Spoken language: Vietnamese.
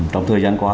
trong thời gian qua